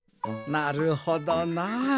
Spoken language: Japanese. なるほどなあ。